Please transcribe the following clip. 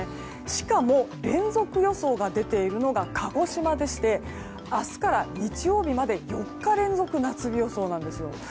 しかも連続予想が出ているのが鹿児島でして明日から日曜日まで４日連続夏日予想なんですよ。